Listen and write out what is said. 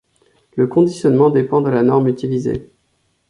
Le conditionnement dépend de la norme utilisée.